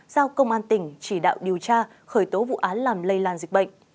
giao công an tỉnh chỉ đạo điều tra khởi tố vụ án làm lây lan dịch bệnh